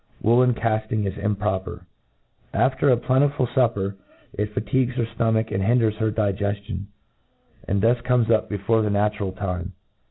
Woolen cafting is improper. After a plentiful fupper, it fatigues her {lomach, and hinders her digeftion ; and thus comes up before the natural time.